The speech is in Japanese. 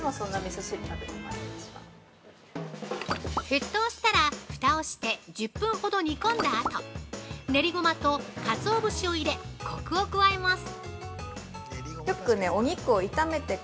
◆沸騰したら、ふたをして１０分ほど煮込んだあと、ねりごまとカツオ節を入れコクを加えます。